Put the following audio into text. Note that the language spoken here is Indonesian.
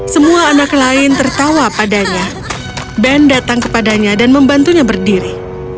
semua anak lain tertawa padanya ben datang kepadanya dan membantunya berdiri